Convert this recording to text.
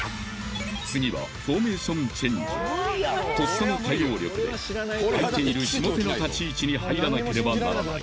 次はフォーメーションチェンジとっさの対応力で空いている下手の立ち位置に入らなければならない